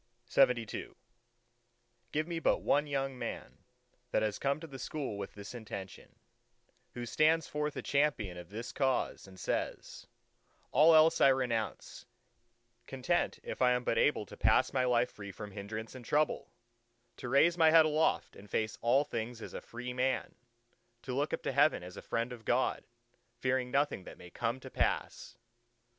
LXXIII Give me but one young man, that has come to the School with this intention, who stands forth a champion of this cause, and says, "All else I renounce, content if I am but able to pass my life free from hindrance and trouble; to raise my head aloft and face all things as a free man; to look up to heaven as a friend of God, fearing nothing that may come to pass!"